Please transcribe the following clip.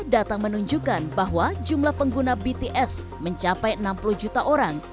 data menunjukkan bahwa jumlah pengguna bts mencapai enam puluh juta orang